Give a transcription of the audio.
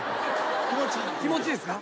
気持ちいいですか？